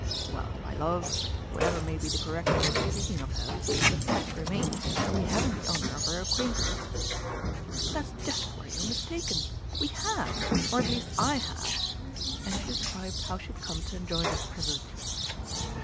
"Well, my love, whatever may be the correct way of speaking of her, the fact remains that we haven't the honour of her acquaintance." "That's just where you're mistaken! We have, or at least I have;" and she described how she had come to enjoy that privilege.